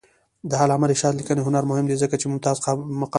د علامه رشاد لیکنی هنر مهم دی ځکه چې ممتاز مقام لري.